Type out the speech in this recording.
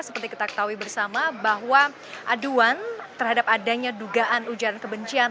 seperti kita ketahui bersama bahwa aduan terhadap adanya dugaan ujaran kebencian